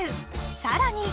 ［さらに］